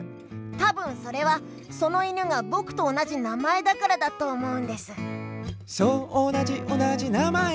たぶんそれはそのイヌがぼくとおなじなまえだからだとおもうんです。